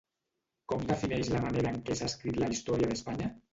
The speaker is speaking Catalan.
Com defineix la manera en què s'ha escrit la Historia de España?